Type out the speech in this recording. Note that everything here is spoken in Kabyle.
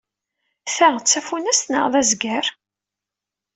Ta d tafunast neɣ d azger?